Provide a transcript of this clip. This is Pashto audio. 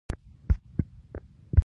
د یوه استازي مخ نه دی لیدل شوی.